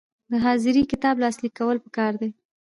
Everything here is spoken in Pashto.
د حاضري کتاب لاسلیک کول پکار دي